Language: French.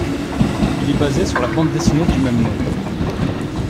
Il est basé sur la bande-dessinée du même nom.